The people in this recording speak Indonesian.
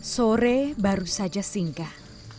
sore baru saja singkah